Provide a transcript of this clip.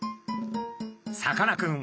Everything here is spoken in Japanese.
さかなクン